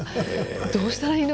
どうしたらいいの？